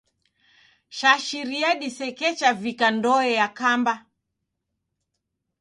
Shashiria disekecha vika ndoe yakamba.